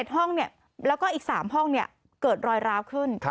ห้องแล้วก็อีก๓ห้องเกิดรอยร้าวขึ้น